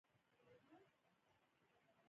یو کارغه او یو باز ملګري شول.